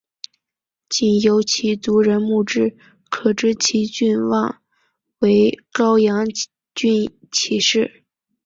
仅由其族人墓志可知其郡望为高阳郡齐氏。